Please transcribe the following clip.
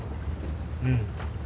うん。